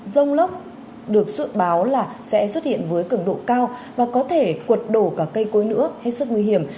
rông lốc được dự báo là sẽ xuất hiện với cường độ cao và có thể cuột đổ cả cây cối nữa hết sức nguy hiểm